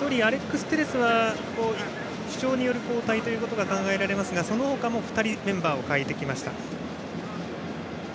１人アレックス・テレスが負傷による交代が考えられますがその他も２人メンバーを代えてきました。